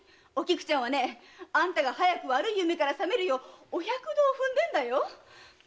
おきくちゃんはあんたが早く悪い夢から覚めるようお百度を踏んでるんだよ！